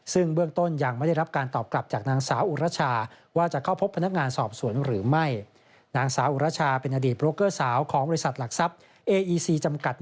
ซึ่งเบื้องต้นยังไม่ได้รับการตอบกลับจากนางสาวอุรชา